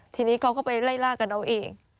ทีนี้เขาก็ไปไล่ล่ากันเอาเอง